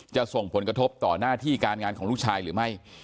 จะส่งผลกระทบต่อหน้าที่การงานของลูกชายหรือไม่